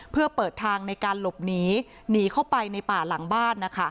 เพื่อเปิดทางในการหลบหนีหนีเข้าไปในป่าหลังบ้านนะคะ